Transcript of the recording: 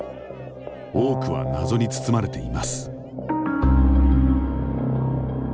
多くは謎に包まれています。